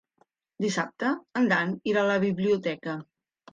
Dissabte en Dan irà a la biblioteca.